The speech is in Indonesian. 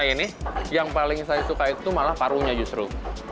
ini yang paling saya suka itu malah parunya justru